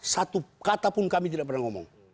satu kata pun kami tidak pernah ngomong